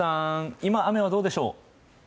今、雨はどうでしょう？